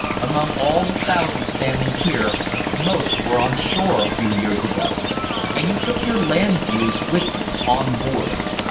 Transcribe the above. Among all the thousands standing here most were on shore a few years ago, and you took your land views with you on board.